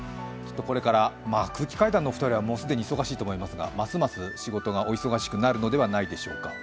空気階段のお二人は既に忙しいと思いますが、ますます仕事がお忙しくなるのではないでしょうか。